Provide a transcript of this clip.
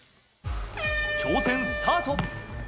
挑戦スタート。